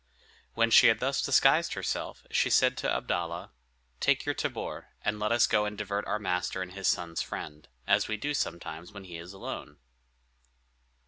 When she had thus disguised herself, she said to Abdalla, "Take your tabor, and let us go and divert our master and his son's friend, as we do sometimes when he is alone."